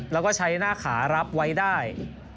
แล้วก็ใช้หน้าขารับไว้ได้